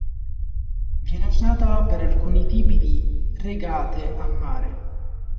Viene usata per alcuni tipi di regate a mare.